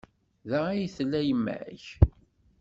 Da ay tella yemma-k?